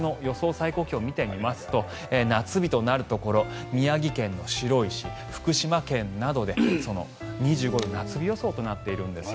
最高気温見てみますと夏日となるところ宮城県の白石福島県などで２５度夏日予想となっているんです。